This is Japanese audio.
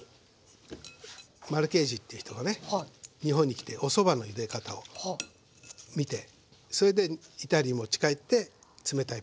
マルケージっていう人がね日本に来ておそばのゆで方を見てそれでイタリーに持ち帰って冷たいパスタをつくったんですね。